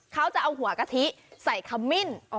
เขาจะเอาหัวกะทิใส่ขมิ้น